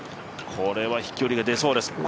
これは飛距離が出そうです